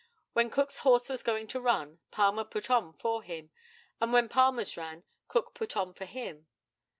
When Cook's horse was going to run, Palmer "put on" for him; and when Palmer's ran, Cook "put on" for him.